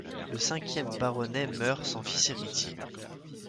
Le cinquième baronnet meurt sans fils héritier.